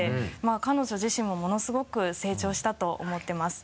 彼女自身もものすごく成長したと思ってます。